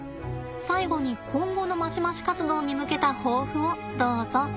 最後に今後のマシマシ活動に向けた抱負をどうぞ。